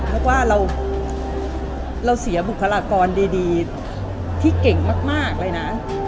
เพราะว่าเราเสียบุคลากรดีที่เก่งมากเลยนะ